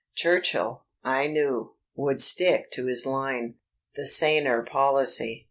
Churchill, I knew, would stick to his line, the saner policy.